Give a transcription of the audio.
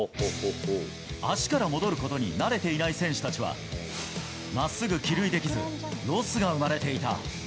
足から戻ることに慣れていない選手たちは、まっすぐ帰塁できず、ロスが生まれていた。